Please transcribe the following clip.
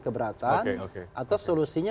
keberatan atau solusinya